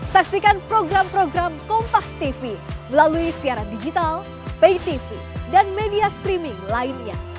saksikan program program kompastv melalui siaran digital paytv dan media streaming lainnya